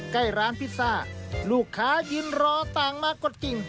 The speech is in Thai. ใกล้ร้านพิซซ่าลูกค้ายืนรอต่างมากดกิ่ง